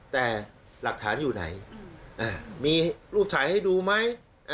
แต่หลักฐานอยู่ไหนมีรูปถ่ายให้ดูไหม